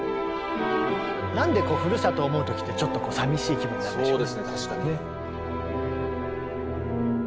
なんでふるさとを思う時ってちょっとさみしい気分になるんでしょうね。